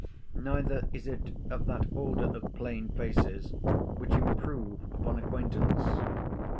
Neither is it of that order of plain faces which improve upon acquaintance.